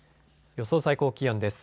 予想最高気温です。